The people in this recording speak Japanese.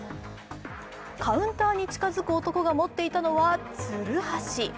カウンターに近づく男が持っていたのは、つるはし。